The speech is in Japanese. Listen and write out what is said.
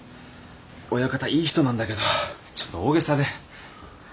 親方いい人なんだけどちょっと大げさで。